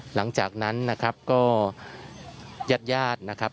หลังจากนั้นนะครับก็ยาดนะครับ